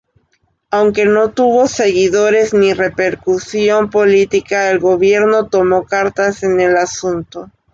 Aunque no tuvo seguidores, ni repercusión política, el gobierno tomó cartas en el asunto.